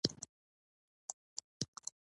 انتقاونه وکړل.